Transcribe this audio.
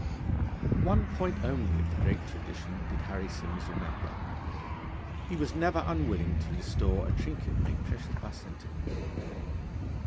One point only of the great tradition did Harry Simms remember. He was never unwilling to restore a trinket made precious by sentiment.